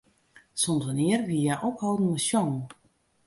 Sûnt wannear wie hja opholden mei sjongen?